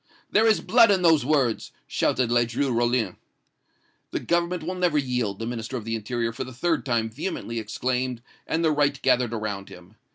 "'There is blood in those words!' shouted Ledru Rollin. "'The Government will never yield!' the Minister of the Interior for the third time vehemently exclaimed, and the right gathered around him.